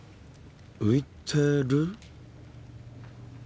ういてる？